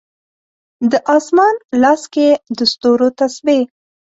د اسمان لاس کې یې د ستورو تسبې